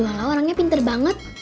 bukanlah orangnya pinter banget